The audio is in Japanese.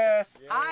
はい！